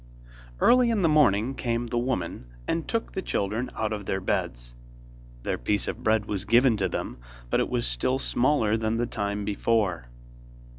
Early in the morning came the woman, and took the children out of their beds. Their piece of bread was given to them, but it was still smaller than the time before.